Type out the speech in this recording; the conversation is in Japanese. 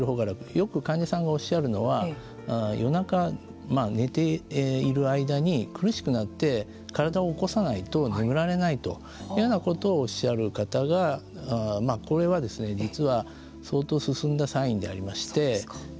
よく患者さんがおっしゃるのは夜中、寝ている間に苦しくなって体を起こさないと眠れないということをおっしゃる方がこれは、実は相当進んだサインでありまして。